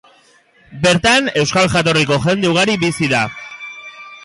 Bertan euskal jatorriko jende ugari bizi da.